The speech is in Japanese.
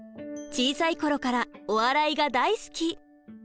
小さい頃からお笑いが大好き。